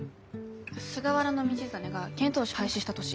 菅原道真が遣唐使廃止した年。